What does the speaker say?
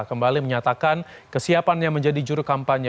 kembali menyatakan kesiapannya menjadi juru kampanye